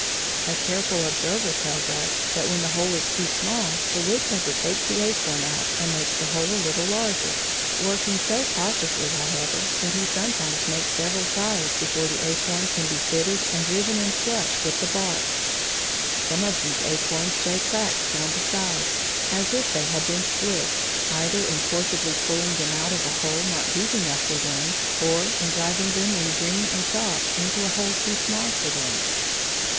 A careful observer tells us that when the hole is too small, the woodpecker takes the acorn out and makes the hole a little larger, working so cautiously, however, that he sometimes makes several trials before the acorn can be fitted and driven in flush with the bark. Some of these acorns show cracks down the sides, as if they had been split either in forcibly pulling them out of a hole not deep enough for them, or in driving them when green and soft into a hole too small for them.